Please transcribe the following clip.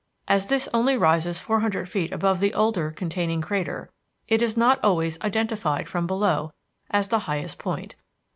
As this only rises four hundred feet above the older containing crater, it is not always identified from below as the highest point.